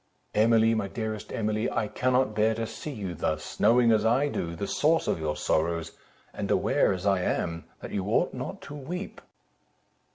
"Emily, my dearest Emily, I cannot bear to see you thus, knowing, as I do, the source of your sorrows, and aware, as I am, that you ought not to weep."